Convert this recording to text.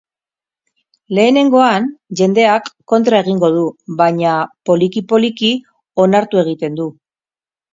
Lehenengoan, jendeak kontra egingo du, baina, poliki-poliki, onartu egiten du.